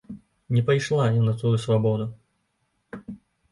Не пайшла я на тую свабоду.